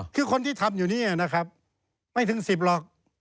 คือคนที่ทำอยู่เนี่ยนะครับไม่ถึง๑๐หรอก